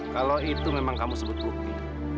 kalau itu memang kamu sebut bukti